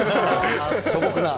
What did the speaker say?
素朴な。